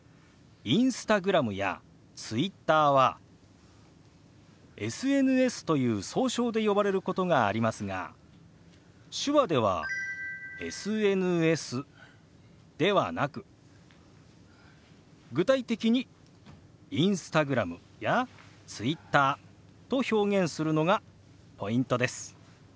ＩｎｓｔａｇｒａｍやＴｗｉｔｔｅｒはＳＮＳという総称で呼ばれることがありますが手話では「ＳＮＳ」ではなく具体的に「Ｉｎｓｔａｇｒａｍ」や「Ｔｗｉｔｔｅｒ」と表現するのがポイントです。